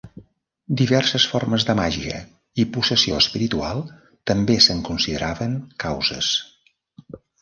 Diverses formes de màgia i possessió espiritual també se'n consideraven causes.